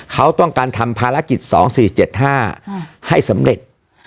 เขาต้องการทำภารกิจ๒๔๗๕ให้สำเร็จ